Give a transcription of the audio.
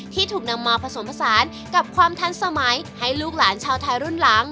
ที่ถูกนำมาผสมผสานกับความทันสมัยให้ลูกหลานชาวไทยรุ่นหลัง